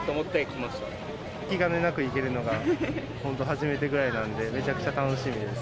気兼ねなく行けるのが、本当、初めてぐらいなんで、めちゃくちゃ楽しいです。